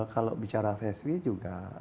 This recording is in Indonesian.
kalau bicara vsw juga